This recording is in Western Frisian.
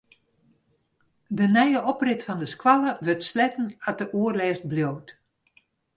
De nije oprit fan de skoalle wurdt sletten as de oerlêst bliuwt.